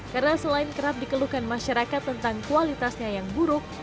karena selain kerap dikeluhkan masyarakat tentang kualitasnya yang buruk